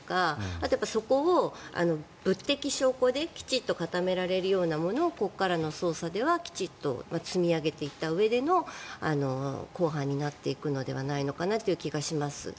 あと、そこを物的証拠できちんと固められるようなものをここからの捜査ではきちんと積み上げていったうえでの公判になっていくのではないかという気がします。